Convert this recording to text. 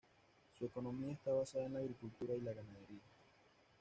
Su economía está basada en la agricultura y la ganadería.